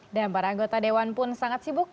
dan para anggota dewan pun sangat sibuk